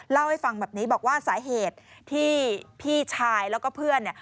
เล่าให้ฟังแบบนี้บอกว่าสาเหตุที่พี่ชายแล้วก็เพื่อนเนี่ย